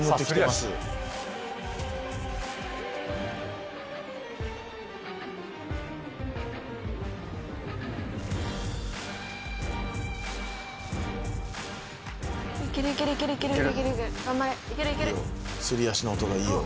すり足の音がいいよ。